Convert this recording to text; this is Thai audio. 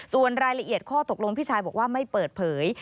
ส่วนรายละเอียดข้อตกลงพี่ชายบอกว่าไม่เปิดเผย